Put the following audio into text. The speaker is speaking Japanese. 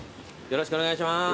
よろしくお願いします。